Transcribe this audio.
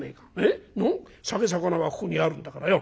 酒肴はここにあるんだからよ。